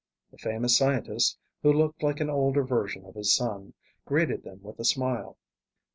The famous scientist, who looked like an older version of his son, greeted them with a smile.